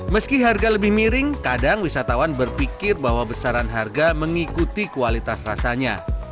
meski harga lebih miring kadang wisatawan berpikir bahwa besaran harga mengikuti kualitas rasanya